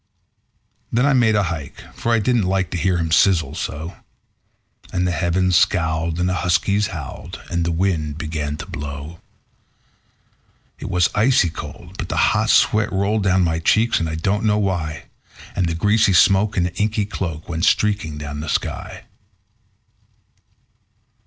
Then I made a hike, for I didn't like to hear him sizzle so; And the heavens scowled, and the huskies howled, and the wind began to blow. It was icy cold, but the hot sweat rolled down my cheeks, and I don't know why; And the greasy smoke in an inky cloak went streaking down the sky.